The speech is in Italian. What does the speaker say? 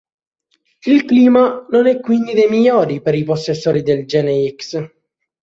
Il clima non è quindi dei migliori per i possessori del gene x.